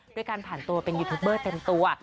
ด้วยการผ่านตัวเป็นยูทูปเบอร์เต็มตัว